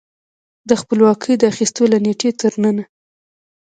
د خپلواکۍ د اخیستو له نېټې تر ننه